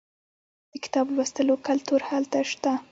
د کتاب لوستلو کلتور هلته شته.